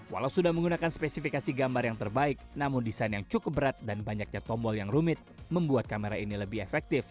walau sudah menggunakan spesifikasi gambar yang terbaik namun desain yang cukup berat dan banyaknya tombol yang rumit membuat kamera ini lebih efektif